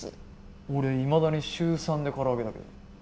俺はいまだに週３で空揚げだけど。